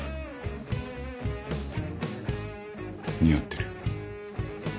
似合ってるよ。